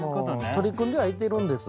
取り組んではいてるんです。